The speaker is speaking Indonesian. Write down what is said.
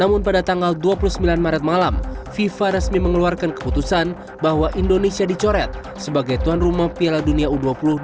namun pada tanggal dua puluh sembilan maret malam fifa resmi mengeluarkan keputusan bahwa indonesia dicoret sebagai tuan rumah piala dunia u dua puluh dua